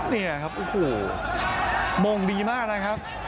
นี่ครับโอ้โหมงดีมากนะครับ